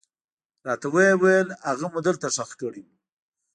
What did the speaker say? راته ويې ويل هغه مو دلته ښخ کړى و.